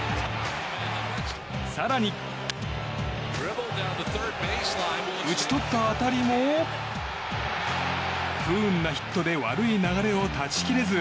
更に、打ち取った当たりも不運なヒットで悪い流れを断ち切れず。